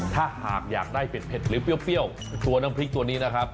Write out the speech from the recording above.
ถ้าหากอยากได้เผ็ดหรือเปรี้ยวตัวน้ำพริกตัวนี้นะครับ